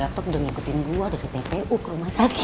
ini laptop udah ngikutin gua dari tpu ke rumah sakit